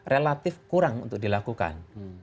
relatif kurang untuk dilakukan